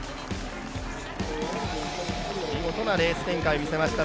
見事なレース展開を見せました。